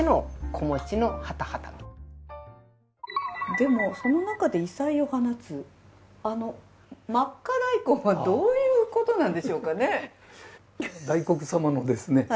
でもその中で異彩を放つあの「まっか大根」はどういうことなんでしょうかね？